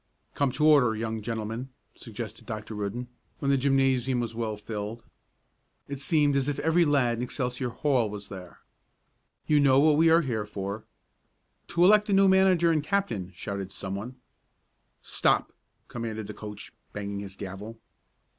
"Come to order, young gentlemen," suggested Dr. Rudden, when the gymnasium was well filled. It seemed as if every lad in Excelsior Hall was there. "You know what we are here for " "To elect a new manager and captain!" shouted someone. "Stop!" commanded the coach, banging his gavel.